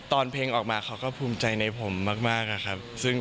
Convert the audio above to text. ตอนเพลงออกมาเขาก็ภูมิใจในผมมากอะครับ